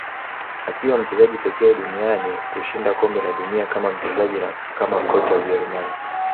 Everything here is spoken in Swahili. Akiwa mchezaji pekee duniani kushinda kombe la dunia kama mchezaji na kama kocha Ujerumani